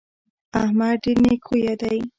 احمد ډېر نېک خویه دی.